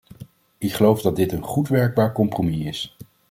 Ik geloof dat dit een goed, werkbaar compromis is.